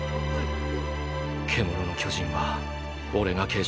「獣の巨人」は俺が継承する。